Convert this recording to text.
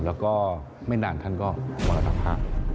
แล้วก็ไม่นานท่านก็มรณภาพ